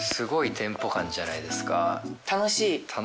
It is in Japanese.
楽しい？